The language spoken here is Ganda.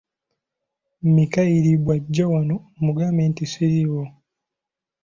Mikayiri bw'ajja wano mugambe nti siriiwo.